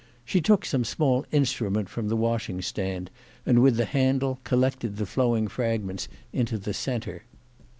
She took some small instrument from the washing stand, and with the handle collected the flowing fragments into the centre.